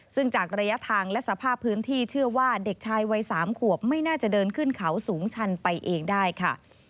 ซึ่งจากระยะทางและสภาพพื้นที่เชื่อว่าเด็กชายวัย๓ขวบไม่น่าจะเดินขึ้นเขาสูงชันไปเองได้ค่ะ